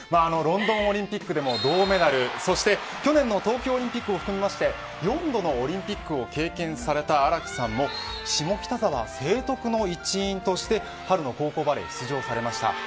ロンドンオリンピックでも銅メダルそして去年の東京オリンピックを含みまして４度のオリンピックを経験された荒木さんも下北沢成徳の一員として春の高校バレーに出場されました。